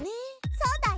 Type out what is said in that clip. そうだよ！